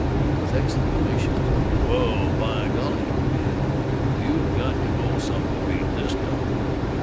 With exclamations of "Well, by golly!" and "You got to go some to beat this dump!"